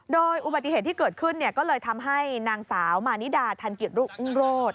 โดยอุบัติเหตุที่เกิดขึ้นก็เลยทำให้นางสาวมานิดาทันกิจรุ่งโรศ